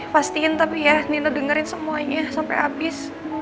pastiin tapi ya nino dengerin semuanya sampe habis